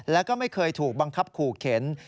แล้วก็ไม่เคยถูกบังคับขู่เข็น